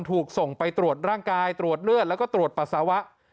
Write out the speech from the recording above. ถูกส่งไปตรวจร่างกายตรวจเลือดแล้วก็ตรวจปัสสาวะ